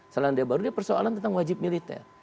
selandia baru dia persoalan tentang wajib militer